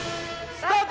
スタート！